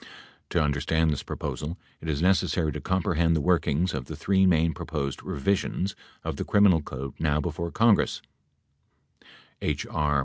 To understand this proposal, it is necessary to comprehend the workings of the three main proposed revisions of the criminal code now before 'Congress — H.